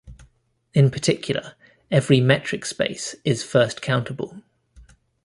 In particular, every metric space is first-countable.